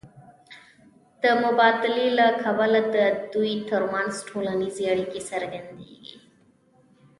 د مبادلې له کبله د دوی ترمنځ ټولنیزې اړیکې څرګندېږي